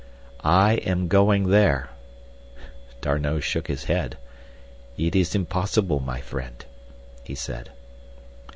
"I am going there." D'Arnot shook his head. "It is impossible, my friend," he said.